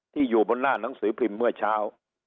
อยู่บนหน้าหนังสือพิมพ์เมื่อเช้า